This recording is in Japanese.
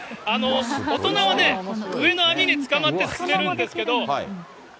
大人は上の網につかまって進めるんですけど。